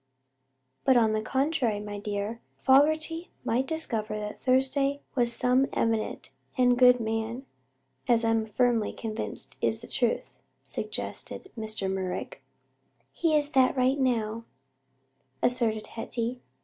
"But, on the contrary, my dear, Fogerty might discover that Thursday was some eminent and good man as I am firmly convinced is the truth," suggested Mr. Merrick. "He's that right now," asserted Hetty.